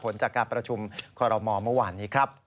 ผลจากการประชุมคอรมอลเมื่อวานนี้ครับ